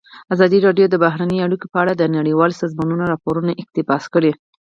ازادي راډیو د بهرنۍ اړیکې په اړه د نړیوالو سازمانونو راپورونه اقتباس کړي.